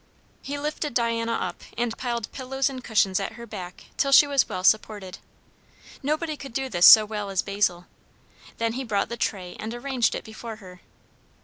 He lifted Diana up, and piled pillows and cushions at her back till she was well supported. Nobody could do this so well as Basil. Then he brought the tray and arranged it before her.